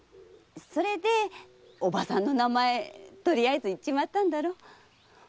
それでおばさんの名前とりあえず言っちまったんだろ。